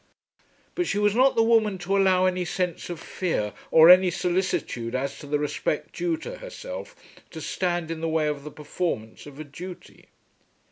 But she was not the woman to allow any sense of fear, or any solicitude as to the respect due to herself, to stand in the way of the performance of a duty.